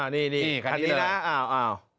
นี่คันนี้นะ